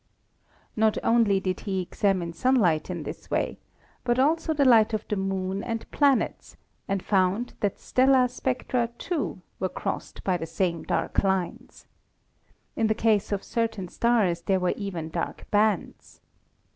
Not only did he examine sunlight in this way, but also the light of the Moon and planets, and found that stellar spectra, too, were crossed by the same dark lines. In the case of certain stars there were even dark bands.